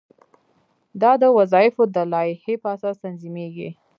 دا د وظایفو د لایحې په اساس تنظیمیږي.